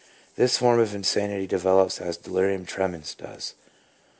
— This form of insanity develops as delirium tremens does.